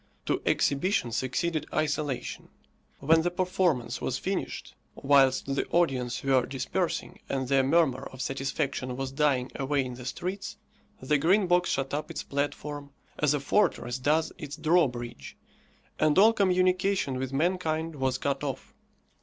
To exhibition succeeded isolation. When the performance was finished, whilst the audience were dispersing, and their murmur of satisfaction was dying away in the streets, the Green Box shut up its platform, as a fortress does its drawbridge, and all communication with mankind was cut off.